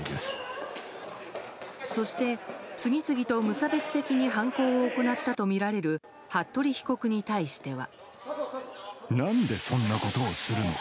そして、次々と無差別的に犯行を行ったとみられる服部被告に対しては。